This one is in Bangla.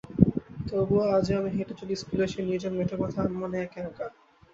তবুও আজও আমি হেঁটে চলি স্কুলের সেই নির্জন মেঠোপথে, আনমনে একা একা।